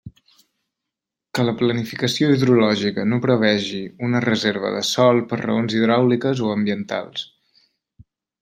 Que la planificació hidrològica no prevegi una reserva de sòl per raons hidràuliques o ambientals.